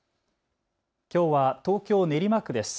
きょうは東京練馬区です。